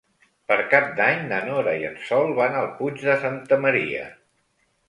Per Cap d'Any na Nora i en Sol van al Puig de Santa Maria.